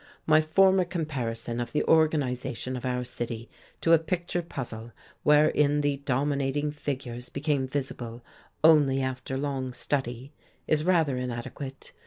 My former comparison of the organization of our city to a picture puzzle wherein the dominating figures become visible only after long study is rather inadequate.